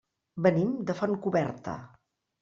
Venim de Fontcoberta.